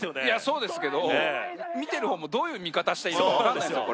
そうですけど見てるほうもどういう見方したらいいのかわかんないですよ